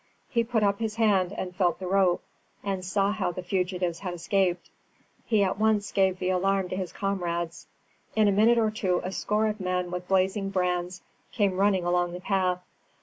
He put up his hand and felt the rope, and saw how the fugitives had escaped. He at once gave the alarm to his comrades. In a minute or two a score of men with blazing brands came running along the path.